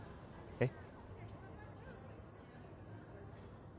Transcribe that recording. えっ？